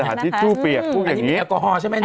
อันนี้มีแอลกอฮอล์ใช่ไหม